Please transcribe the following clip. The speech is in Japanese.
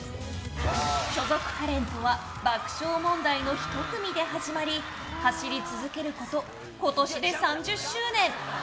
所属タレントは爆笑問題の１組で始まり走り続けること、今年で３０周年。